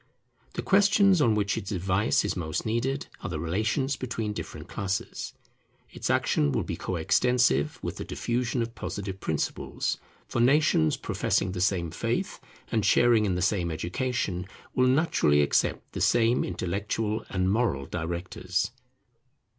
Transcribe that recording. The questions on which its advice is most needed are the relations between different classes. Its action will be coextensive with the diffusion of Positive principles; for nations professing the same faith, and sharing in the same education, will naturally accept the same intellectual and moral directors.